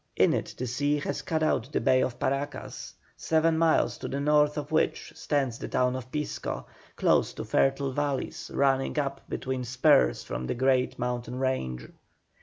In it the sea has cut out the bay of Paracas, seven miles to the north of which stands the town of Pisco, close to fertile valleys running up between spurs from the great mountain range.